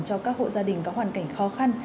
cho các hộ gia đình có hoàn cảnh khó khăn